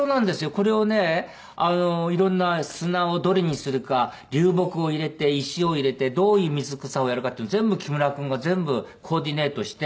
これをね色んな砂をどれにするか流木を入れて石を入れてどういう水草をやるかっていうのを全部木村君が全部コーディネートして。